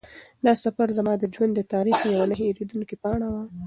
دا سفر زما د ژوند د تاریخ یوه نه هېرېدونکې پاڼه وه.